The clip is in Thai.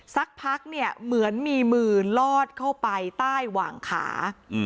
สักพักเนี่ยเหมือนมีมือลอดเข้าไปใต้หว่างขา